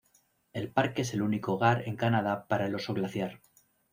El parque es el único hogar en Canadá para el oso glaciar.